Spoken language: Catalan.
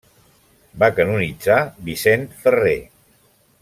Va canonitzar Vicent Ferrer.